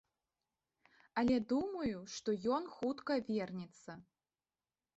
Але думаю, што ён хутка вернецца.